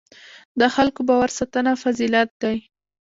د خلکو باور ساتنه فضیلت دی.